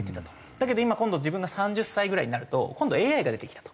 だけど今今度自分が３０歳ぐらいになると今度はＡＩが出てきたと。